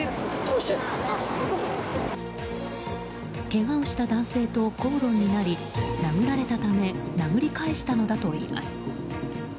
けがをした男性と口論になり殴られたため殴り返したのだといいます。